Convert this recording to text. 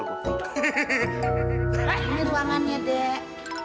ini ruangannya dek